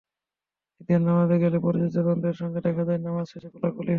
ঈদের নামাজে গেলে পরিচিতজনদের সঙ্গে দেখা হয়, নামাজ শেষে কোলাকুলি হয়।